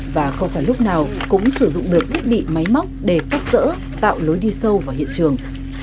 và không phải lúc nào cũng sử dụng được thiết bị máy móc để cắt rỡ tạo lối đi sâu vào hiện trường